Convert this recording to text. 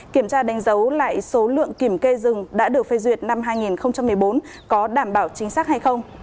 kiểm tra đánh dấu lại số lượng kiểm kê rừng đã được phê duyệt năm hai nghìn một mươi bốn có đảm bảo chính xác hay không